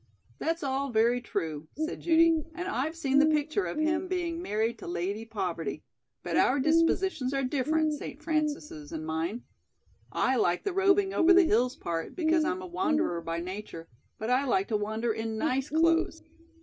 "That's all very true," said Judy, "and I've seen the picture of him being married to Lady Poverty, but our dispositions are different, St. Francis's and mine. I like the roving over the hills part, because I'm a wanderer by nature, but I like to wander in nice clothes.